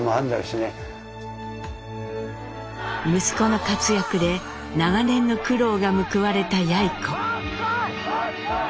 息子の活躍で長年の苦労が報われたやい子。